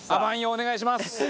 お願いします。